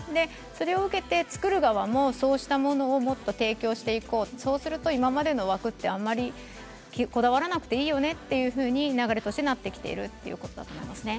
それを受けて作る側もそうしたものをもっと提供していこうそうしたら今までの枠はあまりこだわらなくていいよねというふうに流れとしてなってきているということだと思いますね。